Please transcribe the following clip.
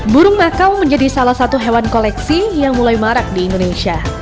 burung makau menjadi salah satu hewan koleksi yang mulai marak di indonesia